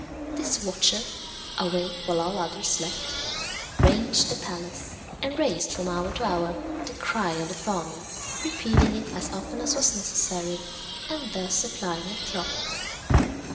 This watcher, awake while all others slept, ranged the palace, and raised from hour to hour the cry of the farmyard, repeating it as often as was necessary, and thus supplying a clock.